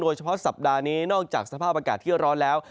สัปดาห์นี้นอกจากสภาพอากาศที่ร้อนแล้ว